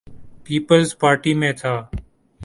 Peoples Party میں تھا۔